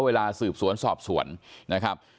เวลาสืบสวนสอบสวนนะครับ